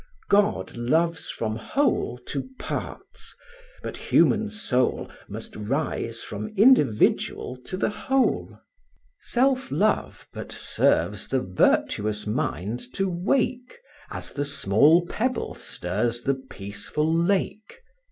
God loves from whole to parts: but human soul Must rise from individual to the whole. Self love but serves the virtuous mind to wake, As the small pebble stirs the peaceful lake!